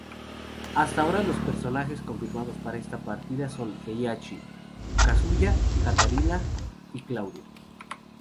Hasta ahora los personajes confirmados para esta partida son Heihachi, Kazuya, Katarina y Claudio.